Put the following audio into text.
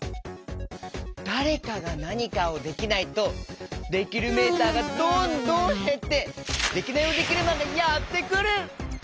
だれかがなにかをできないとできるメーターがどんどんへってデキナイヲデキルマンがやってくる！